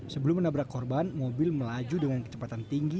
sebelum menabrak korban mobil melaju dengan kecepatan tinggi